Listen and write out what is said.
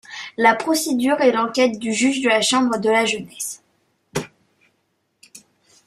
La procédure est l’enquête du juge de la Chambre de la jeunesse.